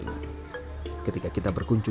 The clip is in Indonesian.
makanan inovasi yang berbeda